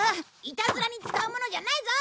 イタズラに使うものじゃないぞ！